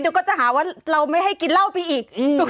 เดี๋ยวก็จะหาว่าเราไม่ให้กินเหล้าไปอีก